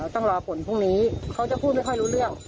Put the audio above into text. ต้องรอผลพรุ่งนี้เขาจะพูดไม่ค่อยรู้เรื่อง